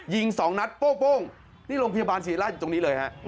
สองนัดโป้งนี่โรงพยาบาลศรีราชอยู่ตรงนี้เลยฮะ